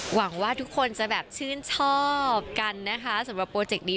หวังว่าทุกคนจะแบบชื่นชอบกันนะคะสำหรับโปรเจกต์นี้